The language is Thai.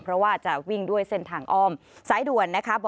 เพราะว่าจะวิ่งด้วยเส้นทางอ้อมสายด่วนนะคะ